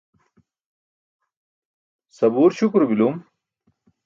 sabuur śukuro bilum